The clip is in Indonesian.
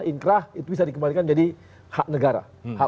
inkrah itu bisa dikembalikan jadi hak negara